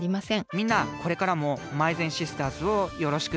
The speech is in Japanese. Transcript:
みんなこれからもまいぜんシスターズをよろしく！